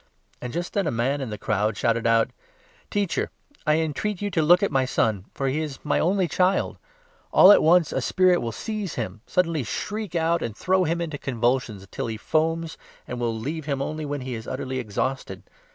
And 38 B°y just then a man in the crowd shouted out :" Teacher, I entreat you to look at my son, for he is my only child ; all at once a spirit will seize him, suddenly shriek out, 39 and throw him into convulsions till he foams, and will leave him only when he is utterly exhausted.